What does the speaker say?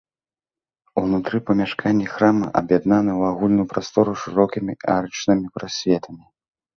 Унутры памяшканні храма аб'яднаны ў агульную прастору шырокімі арачнымі прасветамі.